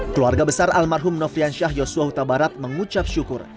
keluarga besar almarhum nofrian syah yosua huta barat mengucap syukur